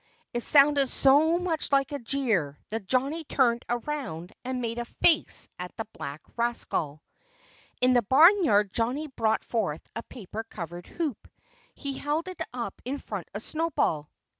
It sounded so much like a jeer that Johnnie turned around and made a face at the black rascal. In the barnyard Johnnie brought forth a paper covered hoop. He held it up in front of Snowball.